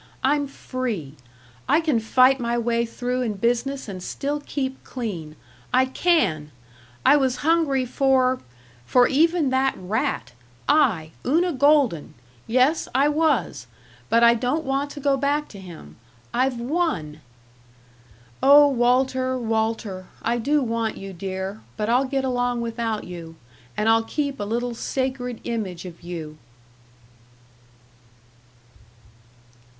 I'm free. I can fight my way through in business and still keep clean. I can! I was hungry for for even that rat. I Una Golden! Yes, I was. But I don't want to go back to him. I've won! "Oh, Walter, Walter, I do want you, dear, but I'll get along without you, and I'll keep a little sacred image of you."